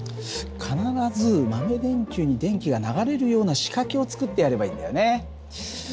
必ず豆電球に電気が流れるような仕掛けを作ってやればいいんだよね。